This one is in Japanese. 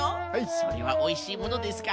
それはおいしいものですか？